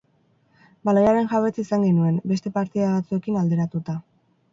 Baloiaren jabetza izan genuen, beste partida batzuekin alderatuta.